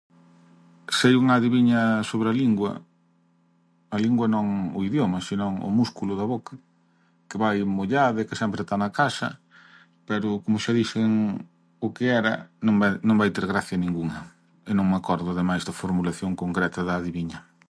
Sei unha adiviña sobre a lingua, a lingua non o idioma si non o músculo da boca, que vai mollada e que sempre ta na casa, pero como xa dixen o que era non vai non vai ter gracia ningunha e non me acordo, ademais, da formulación concreta da adiviña.